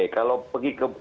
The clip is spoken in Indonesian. kalau pergi ke